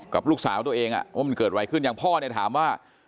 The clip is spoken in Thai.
กับลูกสาวตัวเองว่ามันเกิดอะไรขึ้นอย่างพ่อเนี่ยถามว่า